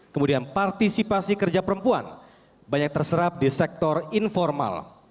kemudian partisipasi kerja perempuan banyak terserap di sektor informal